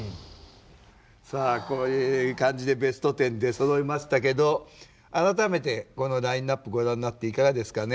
さあこういう感じでベスト１０出そろいましたけど改めてこのラインナップご覧になっていかがですかね？